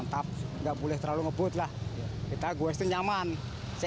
untuk mudik dengan sepeda ini mereka akan bermalam di posko gowes mudik di banjar dan kebun